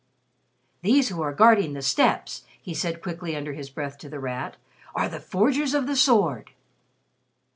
"These who are guarding the steps," he said, quickly under his breath to The Rat, "are the Forgers of the Sword!"